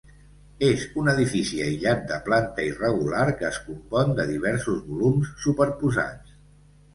És un edifici aïllat de planta irregular que es compon de diversos volums superposats.